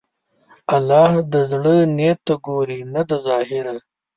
الله د زړه نیت ته ګوري، نه د ظاهره.